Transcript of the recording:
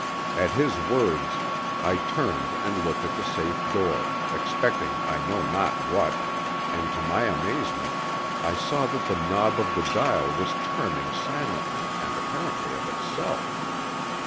At his words I turned and looked at the safe door, expecting I know not what, and to my amazement I saw that the knob of the dial was turning silently and apparently of itself!